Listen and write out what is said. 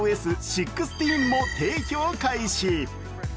ｉＯＳ１６も提供開始